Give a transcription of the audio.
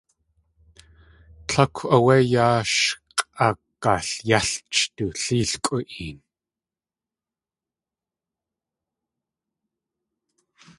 Tlákw áwé yaa sh k̲ʼagalyélch du léelkʼu een.